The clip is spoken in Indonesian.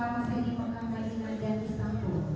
maksudnya paling drop